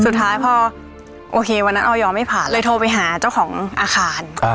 สุดท้ายพอโอเควันนั้นออยไม่ผ่านเลยโทรไปหาเจ้าของอาคาร